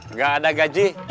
nggak ada gaji